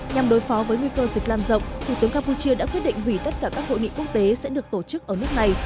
nhằm đối phó với nguy cơ dịch lan rộng thủ tướng campuchia đã quyết định hủy tất cả các hội nghị quốc tế sẽ được tổ chức ở nước này